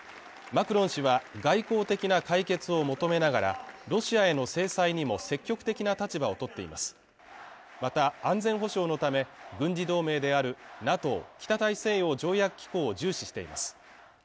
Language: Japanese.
マクロン氏は外交的な解決を求めながらロシアへの制裁にも積極的な立場をとっていますまた安全保障のため軍事同盟であるＮＡＴＯ＝北大西洋条約機構を重視しています